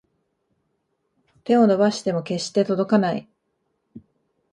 手を伸ばしても決して届かない